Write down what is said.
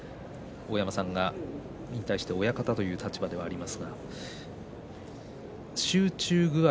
大山さんは今は引退して親方という立場であります。